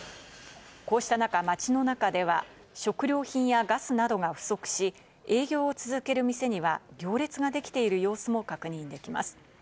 こうした中、町の中では食料品やガスなどが不足し、営業を続ける店には行列ができている様子も確認できます。